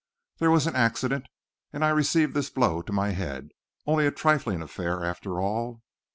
There was an accident and I received this blow to my head only a trifling affair, after all.